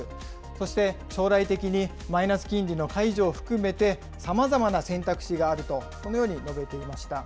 そして将来的に、マイナス金利の解除を含めて、さまざまな選択肢があると、このように述べていました。